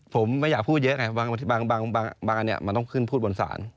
ผมไม่อยากพูดเยอะไงบางอันมันต้องขึ้นพูดบนศาล